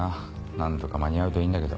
何とか間に合うといいんだけど。